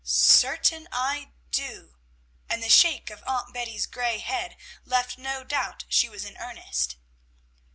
"Sartain I do;" and the shake of Aunt Betty's gray head left no doubt she was in earnest.